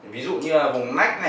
ví dụ như là vùng nách